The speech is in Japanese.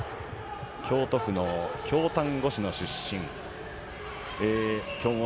京都府の京丹後市の出身。